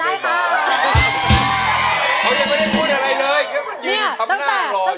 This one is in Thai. เขายังไม่ได้พูดอะไรเลย